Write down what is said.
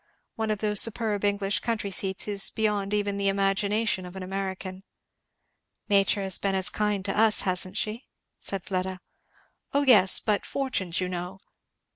One of those superb English country seats is beyond even the imagination of an American." "Nature has been as kind to us, hasn't she?" said Fleda. "O yes, but such fortunes you know.